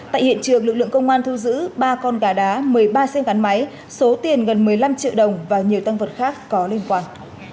tại hiện trường lực lượng công an thu giữ ba con gà đá một mươi ba xe gắn máy số tiền gần một mươi năm triệu đồng và nhiều tăng vật khác có liên quan